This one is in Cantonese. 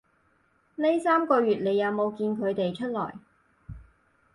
呢三個月你有冇見佢哋出來